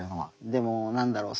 でも何だろう